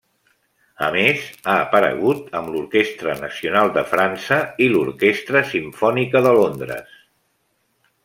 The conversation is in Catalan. A més, ha aparegut amb l'Orquestra Nacional de França i l'Orquestra Simfònica de Londres.